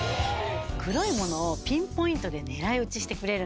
黒い物をピンポイントで狙い撃ちしてくれるんですね。